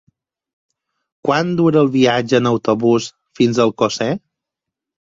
Quant dura el viatge en autobús fins a Alcosser?